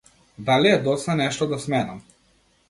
Дали е доцна нешто да сменам?